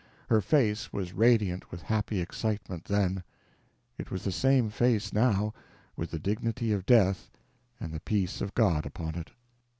Her face was radiant with happy excitement then; it was the same face now, with the dignity of death and the peace of God upon it.